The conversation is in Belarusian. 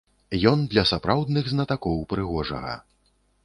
Ён для сапраўдных знатакоў прыгожага.